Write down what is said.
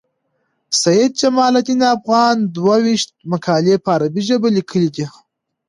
سید جمال الدین افغان دوه ویشت مقالي په عربي ژبه لیکلي دي.